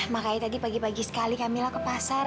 makanya tadi pagi pagi sekali kak mila ke pasar